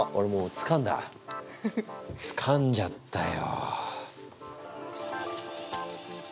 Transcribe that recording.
つかんじゃったよ。